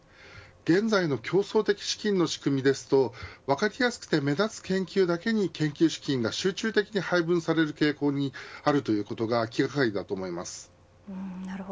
現在の競争的資金の仕組みですと分かりやすくて目立つ研究だけに研究資金が集中的に配分される傾向にあるということが気掛かりだと思います。